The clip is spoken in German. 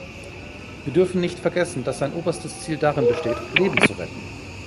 Wir dürfen nicht vergessen, dass sein oberstes Ziel darin besteht, Leben zu retten.